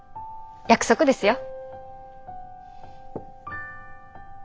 約束ですよ。